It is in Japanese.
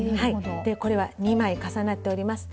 これは２枚重なっております。